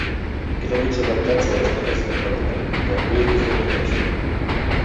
Crèdits adaptats de les notes d'acompanyament de "Beautiful Intentions".